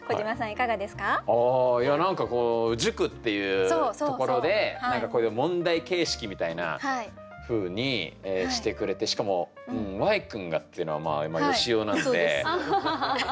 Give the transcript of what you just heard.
ああいや何かこう塾っていうところで何かこういう問題形式みたいなふうにしてくれてしかも「Ｙ君が」っていうのはまあよしおなんで。